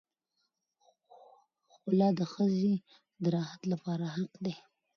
خلع د ښځې د راحت لپاره حق دی.